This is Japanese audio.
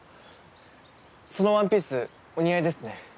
そのワンピースお似合いですね。